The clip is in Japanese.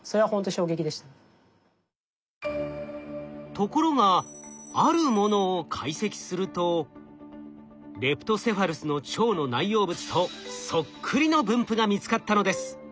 ところがあるものを解析するとレプトセファルスの腸の内容物とそっくりの分布が見つかったのです。